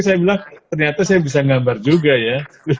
saya bilang ternyata saya bisa gambar juga ya